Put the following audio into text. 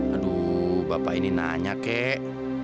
aduh bapak ini nanya kek